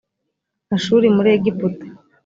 ashuri muri egiputa